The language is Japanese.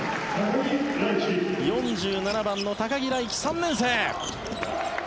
４７番の高木来希、３年生。